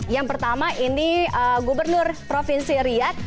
yang pertama ini gubernur provinsi riyad